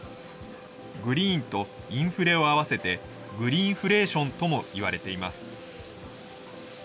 グリーンとインフレを併せて、グリーンフレーションともいわれています。